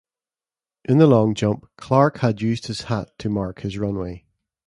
In the long jump, Clark had used his hat to mark his runway.